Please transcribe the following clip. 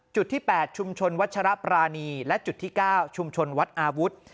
จุดที่๘ชุมชนวัชรปรานีและจุดที่๙ชุมชนวัดอาวุธ